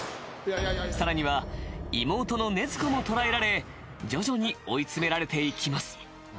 ［さらには妹の禰豆子も捕らえられ徐々に追い詰められていきます］